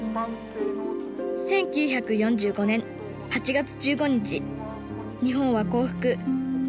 １９４５年８月１５日日本は降伏。